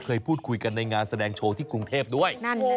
เคยพูดคุยกันในงานแสดงโชว์ที่กรุงเทพด้วย